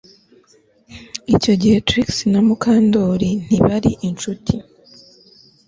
Icyo gihe Trix na Mukandoli ntibari inshuti